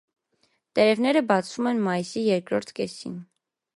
Տերևները բացվում են մայիսի երկրորդ կեսին։